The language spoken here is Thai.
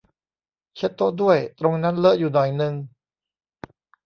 เช็ดโต๊ะด้วย ตรงนั้นเลอะอยู่หน่อยนึง